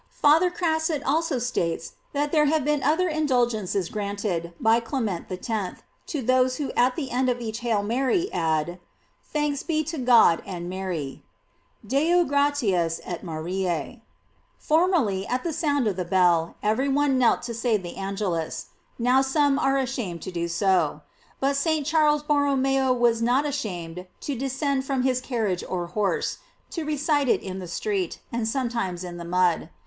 Father Crasset also states that there have been other indulgences granted by Clem * germ. 1, ad Nov. t To. 2, tr. 6, prat. 2. 648 GLORIES OF MARY. ent X. to those who at the end of each "Hail Mary" add: Thanks be to God and Mary: "Deo gratias etMariae."* Formerly, at the sound of the bell, every one knelt to say the Angelus; now some are ashamed to do so; but St. Charlea Borromeo was not ashamed to descend from his carriage or horse, to recite it in the street, and sometimes in the mud.